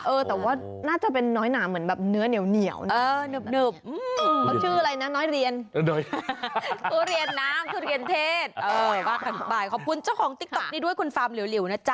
เออแต่ว่าน่าจะเป็นน้อยหน่าเหมือนเนื้อเหนียว